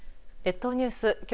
列島ニュース